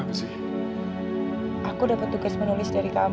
masa kayak gitu aja lupa bohong